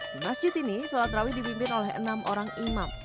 di masjid ini salat rawi dibimbing oleh enam orang imam